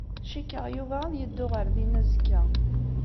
Cikkeɣ Yuba ad yeddu ɣer din azekka.